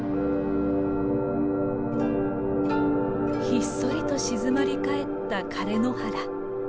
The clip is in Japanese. ひっそりと静まり返った枯れ野原。